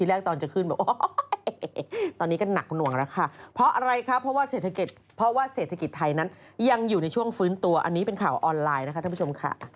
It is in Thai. อันนี้เป็นข่าวออนไลน์นะครับท่านผู้ชมค่ะ